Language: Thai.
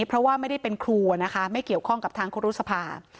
เพราะว่าไม่ได้เป็นครูนะคะไม่เกี่ยวข้องกับทางครูรุษภา